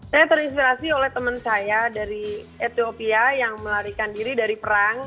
saya terinspirasi oleh teman saya dari ethiopia yang melarikan diri dari perang